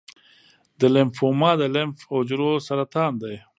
د لمفوما د لمف حجرو سرطان دی.